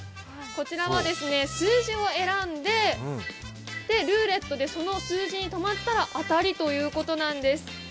こちらは数字を選んでルーレットでその数字に止まったら当たりということなんです。